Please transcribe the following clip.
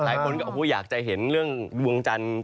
หลายคนก็อยากจะเห็นเรื่องดวงจันทร์